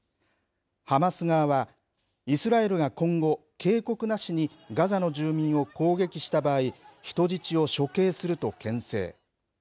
ハマス側は、イスラエルが今後、警告なしにガザの住民を攻撃した場合、人質を処刑するとけん制。